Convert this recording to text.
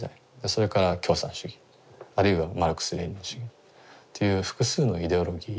それから共産主義あるいはマルクス・レーニン主義という複数のイデオロギー。